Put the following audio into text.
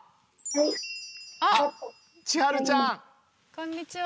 こんにちは。